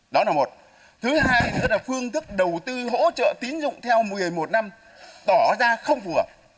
đó là một thứ hai tức là phương thức đầu tư hỗ trợ tín dụng theo một mươi một năm tỏ ra không phù hợp